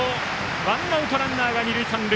ワンアウト、ランナーが二塁三塁。